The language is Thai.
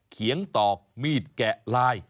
เขียงตอกมีดแกะลาย